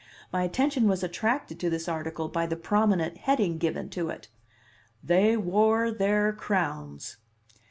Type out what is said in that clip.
My attention was attracted to this article by the prominent heading given to it: THEY WORE THEIR CROWNS.